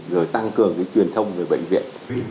rồi tăng cường cái truyền thông về bệnh viện